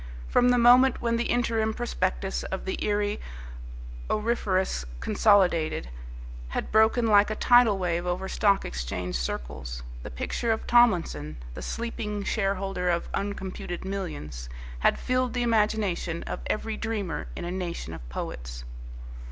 From the moment when the interim prospectus of the Erie Auriferous Consolidated had broken like a tidal wave over Stock Exchange circles, the picture of Tomlinson, the sleeping shareholder of uncomputed millions, had filled the imagination of every dreamer in a nation of poets.